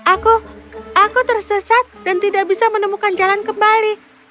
aku aku tersesat dan tidak bisa menemukan jalan kembali